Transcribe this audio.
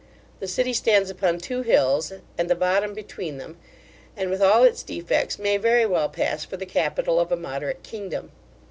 The city stands upon two hills, and the bottom between them; and, with all its defects, may very well pass for the capital of a moderate kingdom.